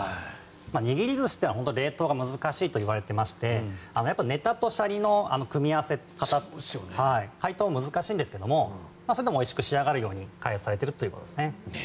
握り寿司というのは冷凍が難しいといわれていましてネタとシャリの組み合わせ方解凍が難しいんですけどもそれでもおいしく仕上がるように開発されているということですね。